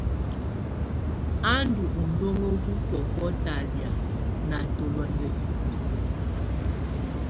Á ndù udɔŋó wù tɔ̀ófɔ talɛ̀á ná tɔlɔ̀á ná ibusǝ́.